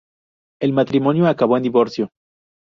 El matrimonio acabó en divorcio.